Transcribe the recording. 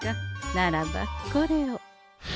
ならばこれを。